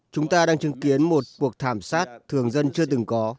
chúng ta đang chứng kiến một cuộc thảm sát thường dân chưa từng có